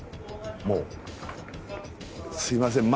もうすいません